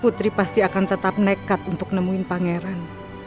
putri pasti akan tetap nekat untuk nemuin pangeran